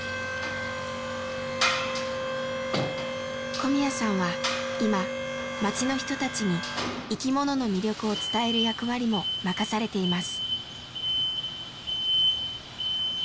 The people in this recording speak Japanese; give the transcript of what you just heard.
小宮さんは今町の人たちに生きものの魅力を伝える役割も任されています。